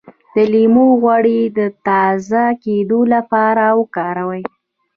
د لیمو غوړي د تازه کیدو لپاره وکاروئ